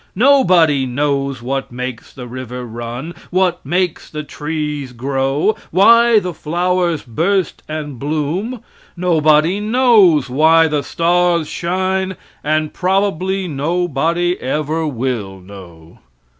Nobody knows what makes the river run, what makes the trees grow, why the flowers burst and bloom nobody knows why the stars shine, and probably nobody ever will know.